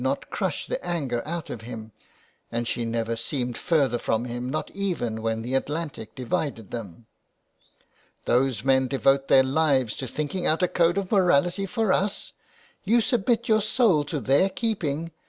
not crush the anger out of him ; and she never seemed further from him, not even when the Atlantic divided them. " Those men devote their lives to thinking out a code of morality for us ! You submit your soul to their keeping.